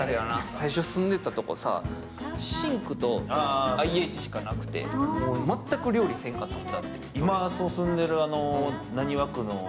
最初住んでたとこさ、シンクとＩＨしかなくて全く料理せんかったもん。